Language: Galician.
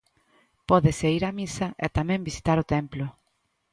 Pódese ir á misa e tamén visitar o templo.